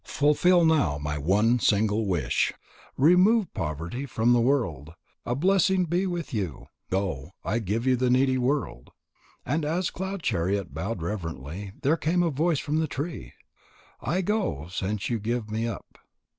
Fulfil now my one single wish. Remove poverty from the world. A blessing be with you. Go. I give you to the needy world." And as Cloud chariot bowed reverently, there came a voice from the tree: "I go, since you give me up."